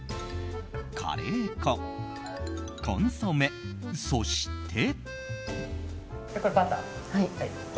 カレー粉、コンソメ、そして。